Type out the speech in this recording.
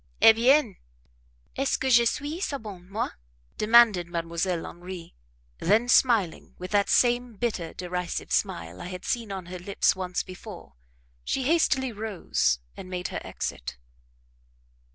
"Eh bien! est ce que je suis sa bonne moi?" demanded Mdlle. Henri; then smiling, with that same bitter, derisive smile I had seen on her lips once before, she hastily rose and made her exit.